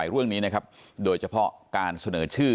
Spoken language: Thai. เรื่องนี้นะครับโดยเฉพาะการเสนอชื่อ